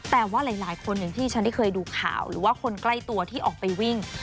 แต่ว่าหลายคนอย่างที่ฉันได้เคยดูข่าวหรือว่าคนใกล้ตัวที่ออกไปวิ่ง